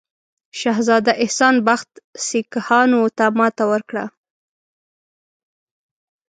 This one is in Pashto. شهزاده احسان بخت سیکهانو ته ماته ورکړه.